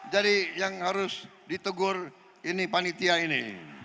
jadi yang harus ditegur ini panitia ini